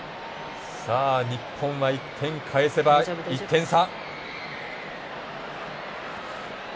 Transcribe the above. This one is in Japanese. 日本は１点、返せば１点差。